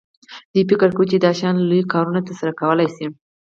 دوی فکر کاوه چې دا شیان لوی کارونه ترسره کولی شي